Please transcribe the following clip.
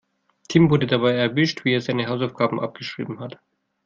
Tim wurde dabei erwischt, wie er seine Hausaufgaben abgeschrieben hat.